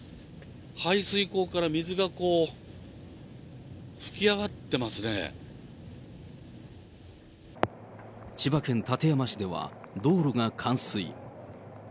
排水溝から水がこう、噴き上がっ千葉県館山市では道路が冠水。